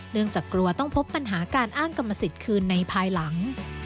จากกลัวต้องพบปัญหาการอ้างกรรมสิทธิ์คืนในภายหลัง